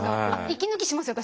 息抜きしますよ